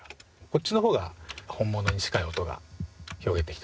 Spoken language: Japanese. こっちの方が本物に近い音が表現できてますね。